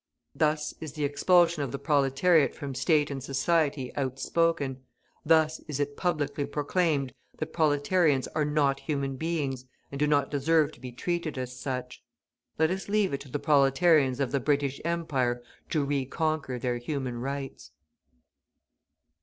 Thus is the expulsion of the proletariat from State and society outspoken, thus is it publicly proclaimed that proletarians are not human beings, and do not deserve to be treated as such. Let us leave it to the proletarians of the British Empire to re conquer their human rights.